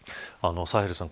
サヘルさん